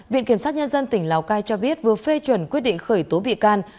viện kiểm sát nhân dân tỉnh lào cai cho biết vừa phê chuẩn quyết định khởi tố bị can